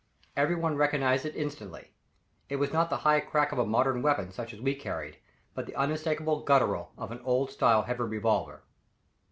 Everyone recognized it instantly it was not the high crack of a modern weapon such as we carried, but the unmistakable guttural of an old style heavy revolver.